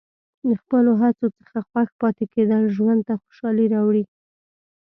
د خپلو هڅو څخه خوښ پاتې کېدل ژوند ته خوشحالي راوړي.